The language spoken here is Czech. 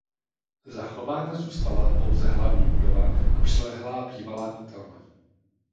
Zachována zůstala pouze hlavní budova a přilehlá bývalá kotelna.